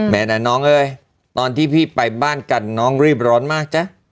นะน้องเอ้ยตอนที่พี่ไปบ้านกันน้องรีบร้อนมากจ๊ะ